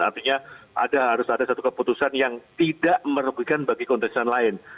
artinya harus ada satu keputusan yang tidak merugikan bagi kontestan lain